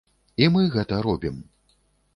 І мы гэта робім.